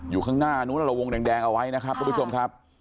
อยู่ข้างหน้านู้นแล้วเราวงแดงเอาไว้นะครับทุกผู้ชมครับ